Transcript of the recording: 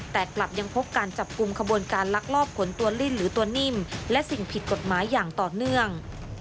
แต่กลับยังพบการจับกลุ่มขบวนการลักลอบขนตัวลิ้นหรือตัวนิ่มและสิ่งผิดกฎหมายอย่างต่อเนื่อง